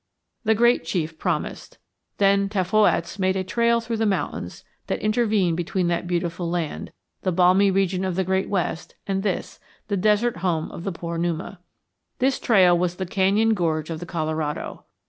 The great chief promised. Then Tavwoats made a trail through the mountains that intervene between that beautiful land, the balmy region of the great West, and this, the desert home of the poor Numa. This trail was the canyon gorge of the Colorado.